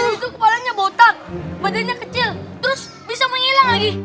itu kepalanya botak badannya kecil terus bisa menghilang lagi